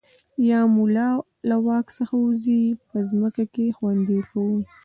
یا مو له واک څخه ووځي په ځمکه کې خوندي کوو.